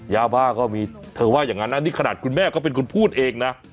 ยาบ้าก็มีเธอว่าอย่างนั้นนะนี่ขนาดคุณแม่ก็เป็นคนพูดเองนะ